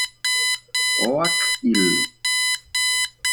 Oak Hill